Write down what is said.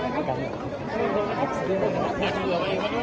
ต้องกว่าจะเลือกตั้งเสร็จแล้วเนอะ